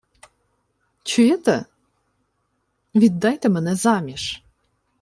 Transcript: — Чуєте, віддайте мене заміж.